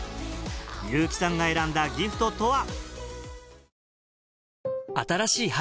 優希さんが選んだギフトとは？